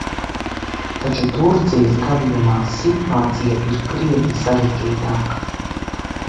Taču Turcijas gadījumā situācija ir krietni sarežģītāka.